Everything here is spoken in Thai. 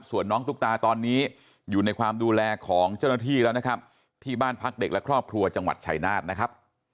ส่วนน้องตุ๊กตาตอนนี้อยู่ในความดูแลของเจ้าหน้าที่แล้วนะครับที่บ้านพักเด็กและครอบครัวจังหวัดชายนาฏนะครับ